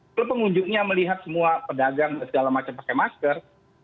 kalau pengunjungnya melihat semua pedagang dan segala macam pakai masker